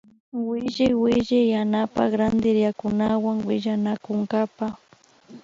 Williwilli yanapan rantiriakkunawan willanakunkapa